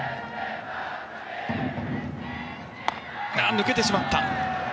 抜けてしまった。